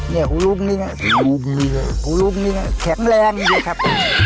หูลูกนี่นะของลูกนี่แข็งแรงดีครับ